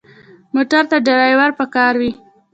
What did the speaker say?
موټر ته ډرېور پکار وي.